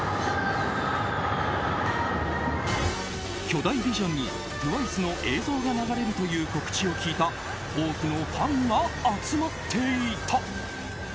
巨大ビジョンにＴＷＩＣＥの映像が流れるという告知を聞いた多くのファンが集まっていた。